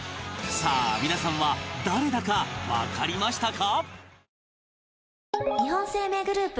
さあ皆さんは誰だかわかりましたか？